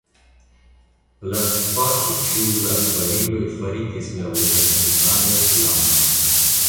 Lastpaŝe ĉiuj latbariloj faritis laŭ originalaj planoj.